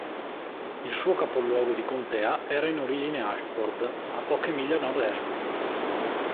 Il suo capoluogo di contea era in origine Ashford, a poche miglia a nord-est.